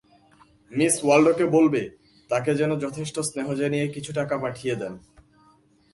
Miss ওয়াল্ডোকে বলবে, তাকে যেন যথেষ্ট স্নেহ জানিয়ে কিছু টাকা পাঠিয়ে দেন।